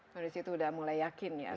nah disitu udah mulai yakin ya